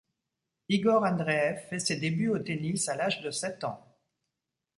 Igor Andreev fait ses débuts au tennis à l'âge de sept ans.